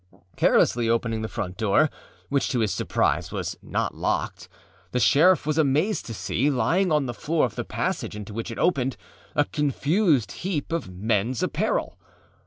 Carelessly opening the front door, which to his surprise was not locked, the sheriff was amazed to see, lying on the floor of the passage into which it opened, a confused heap of menâs apparel.